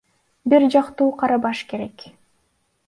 Бир жактуу карабаш керек.